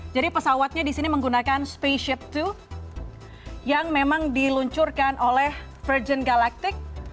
jadi pesawatnya disini menggunakan spaceship two yang memang diluncurkan oleh virgin galactic